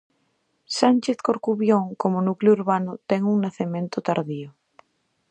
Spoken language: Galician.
Sánchez Corcubión como núcleo urbano ten un nacemento tardío.